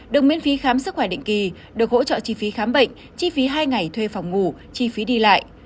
được miễn phí khám sức khỏe định kỳ được hỗ trợ chi phí khám bệnh chi phí hai ngày thuê phòng ngủ chi phí đi lại